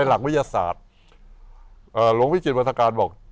หลวงวิจิตรวรรษการบอก